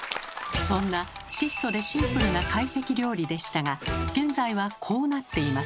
そんな質素でシンプルな懐石料理でしたが現在はこうなっています。